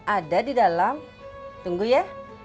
ada di dalam tunggu ya